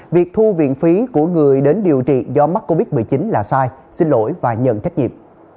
việc thu viện phí của người đến điều trị do mắc covid một mươi chín là sai xin lỗi và nhận trách nhiệm